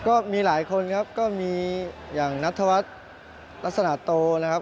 ก็มีหลายคนครับก็มีอย่างนัทวัฒน์ลักษณะโตนะครับ